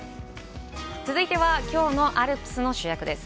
続いては、きょうのアルプスの主役です。